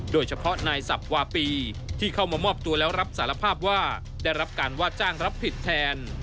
โดยเฉพาะนายสับวาปีที่เข้ามามอบตัวแล้วรับสารภาพว่าได้รับการว่าจ้างรับผิดแทน